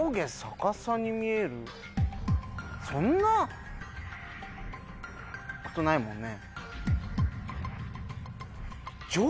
そんなことないもんね。